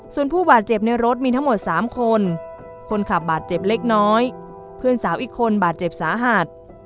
ส่วนผู้บาดเจ็บในรถมีทั้งหมด๓คนคนขับบาดเจ็บเล็กน้อยเพื่อนสาวอีกคนบาดเจ็บสาหัส